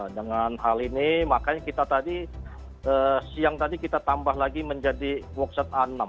dengan hal ini makanya kita tadi siang tadi kita tambah lagi menjadi wakset a enam